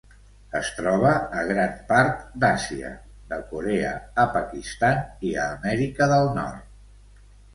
Es troba a gran part d'Àsia, de Corea a Pakistan i a Amèrica del Nord.